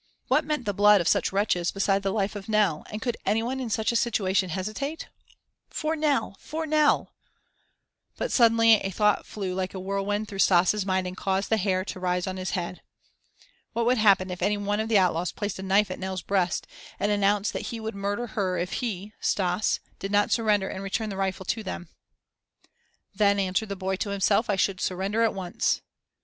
What meant the blood of such wretches beside the life of Nell, and could any one in such a situation hesitate? "For Nell! For Nell!" But suddenly a thought flew like a whirlwind through Stas' mind and caused the hair to rise on his head. What would happen if any one of the outlaws placed a knife at Nell's breast, and announced that he would murder her if he Stas did not surrender and return the rifle to them. "Then," answered the boy to himself, "I should surrender at once."